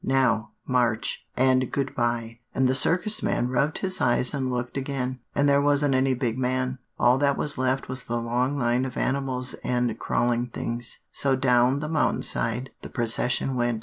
Now, march, and good by.' And the Circus man rubbed his eyes and looked again, and there wasn't any big man; all that was left was the long line of animals and crawling things. So down the mountain side the procession went.